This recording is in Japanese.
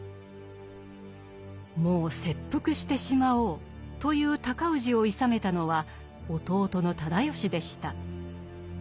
もう切腹してしまおうという尊氏をいさめたのは弟の直義でした。